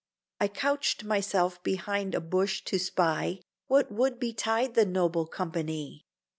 I couched myself behind a bush to spy, What would betide the noble company.